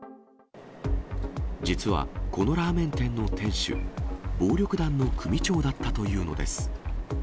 実は、このラーメン店の店主、暴力団の組長だったというのです。